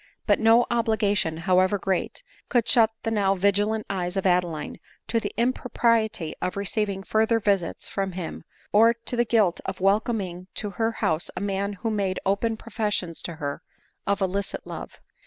But no obligation, however great, could shut the now vigilant eyes of Ade line to the impropriety of receiving further visits from him, or to the guilt of welcoming to her house a man who made open professions to her of illicit love.